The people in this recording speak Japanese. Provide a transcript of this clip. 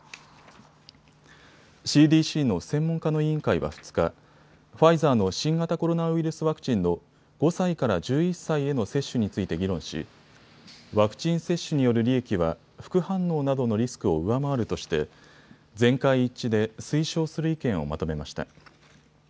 ＣＤＣの専門家の委員会は２日、ファイザーの新型コロナウイルスワクチンの５歳から１１歳への接種について議論し、ワクチン接種による利益は副反応などのリスクを上回るとして全会一致で推奨する意見をまとめました。